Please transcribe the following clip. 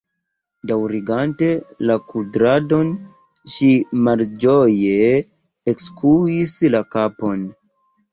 Daŭrigante la kudradon, ŝi malĝoje ekskuis la kapon.